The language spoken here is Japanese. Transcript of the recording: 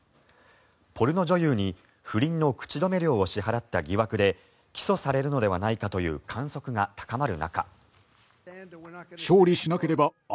ポルノ女優に不倫の口止め料を支払った疑惑で起訴されるのではないかという観測が高まる中。